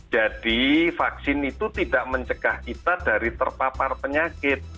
jadi vaksin itu tidak mencegah kita dari terpapar penyakit